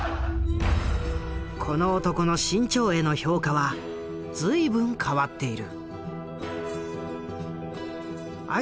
この男の志ん朝への評価は随分変わっている。